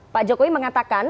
pak jokowi mengatakan